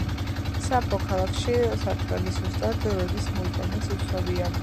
სამეფო ქალაქში სარტყელი ზუსტად როდის მოიტანეს უცნობია.